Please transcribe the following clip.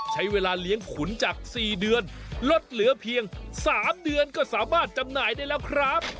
ใช้เวลาเลี้ยงขุนจาก๔เดือนลดเหลือเพียง๓เดือนก็สามารถจำหน่ายได้แล้วครับ